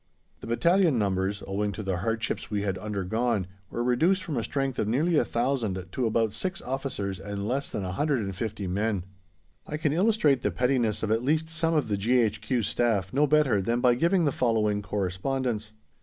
The battalion numbers, owing to the hardships we had undergone, were reduced from a strength of nearly 1,000 to about six officers and less than 150 men. I can illustrate the pettiness of at least some of the G.H.Q. Staff no better than by giving the following correspondence.